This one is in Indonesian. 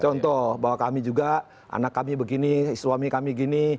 contoh bahwa kami juga anak kami begini suami kami gini